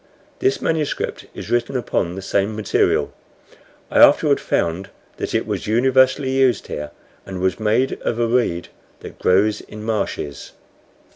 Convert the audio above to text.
This manuscript is written upon the same material. I afterward found that it was universally used here, and was made of a reed that grows in marshes.